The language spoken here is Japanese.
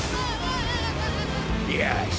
よし！